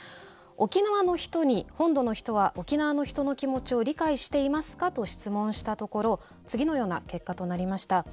沖縄の人に「本土の人は沖縄の人の気持ちを理解していますか？」と質問したところ次のような結果となりました。